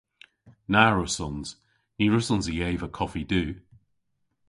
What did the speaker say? Na wrussons. Ny wrussons i eva koffi du.